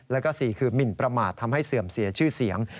แล้วก็๔คือหมินประมาททำให้เสื่อมเสียชื่อเสียง